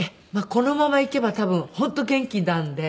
このままいけば多分本当元気なんで。